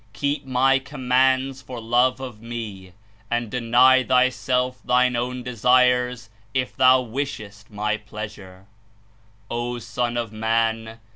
Keep My Commands for love of Me, and deny thyself thine own desires if thou wishes t My Pleasure/' "O Son of Man!